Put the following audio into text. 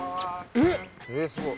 ええすごい。